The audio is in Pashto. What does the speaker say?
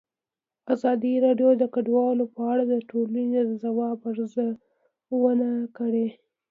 ازادي راډیو د کډوال په اړه د ټولنې د ځواب ارزونه کړې.